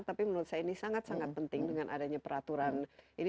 tapi menurut saya ini sangat sangat penting dengan adanya peraturan ini